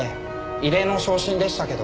異例の昇進でしたけど。